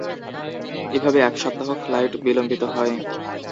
এভাবে এক সপ্তাহ ফ্লাইট বিলম্বিত হয়।